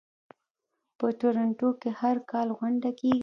په تورنټو کې هر کال غونډه کیږي.